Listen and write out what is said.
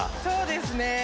そうですね。